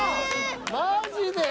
マジで。